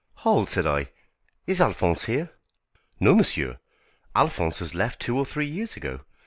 "Hold," said I; "is Alphonse here?" "No, monsieur, Alphonse has left two or three years ago.